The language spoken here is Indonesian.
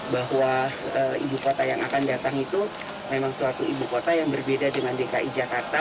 bahwa ibu kota yang akan datang itu memang suatu ibu kota yang berbeda dengan dki jakarta